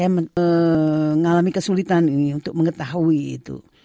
mengalami kesulitan untuk mengetahui itu